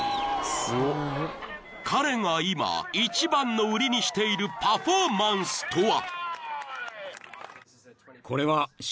［彼が今一番の売りにしているパフォーマンスとは］